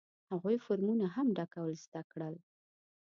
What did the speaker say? هغوی فورمونه هم ډکول زده کړل.